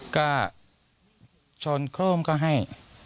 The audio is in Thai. ก็ชนโครมก็ให้